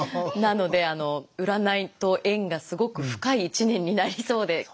なので占いと縁がすごく深い一年になりそうで。